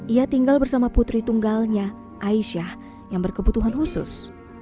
ia tinggal bersama putri tunggalnya aisyah yang berkebutuhan khusus